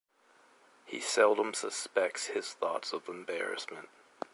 He seldom suspects his thoughts of embarrassment.